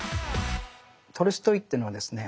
トルストイというのはですね